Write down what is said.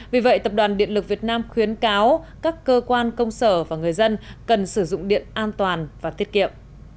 vì vậy tập đoàn điện lực việt nam khuyến cáo các cơ quan công sở và người dân cần sử dụng điện an toàn và tiết kiệm